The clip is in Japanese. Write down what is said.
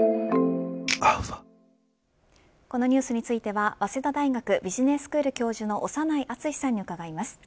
このニュースについては早稲田大学ビジネススクール教授の長内厚さんに伺います。